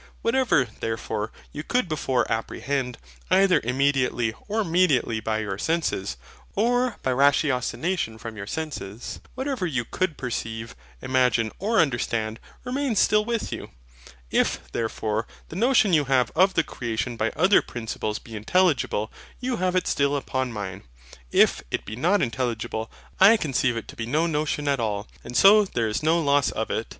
Whatever, therefore, you could before apprehend, either immediately or mediately by your senses, or by ratiocination from your senses; whatever you could perceive, imagine, or understand, remains still with you. If, therefore, the notion you have of the creation by other Principles be intelligible, you have it still upon mine; if it be not intelligible, I conceive it to be no notion at all; and so there is no loss of it.